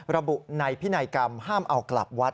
ระบุในพินัยกรรมห้ามเอากลับวัด